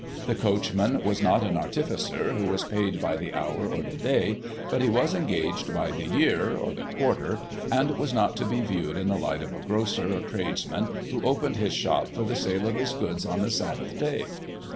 The coachman was not an artificer who was paid by the hour or the day, but he was engaged by the year, or the quarter, and was not to be viewed in the light of a grocer, or tradesman, who opened his shop for the sale of his goods on the Sabbath day.